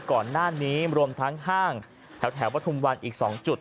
ก่อนหน้านี้รวมทั้งห้างแถวปฐุมวันอีก๒จุด